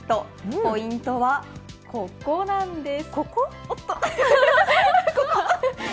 ポイントはここなんです。